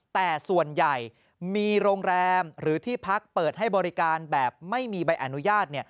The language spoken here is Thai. แต่ส่วนใหญ่มีโรงแรมหรือที่พักเปิดให้บริการแบบไม่มีใบอนุญาต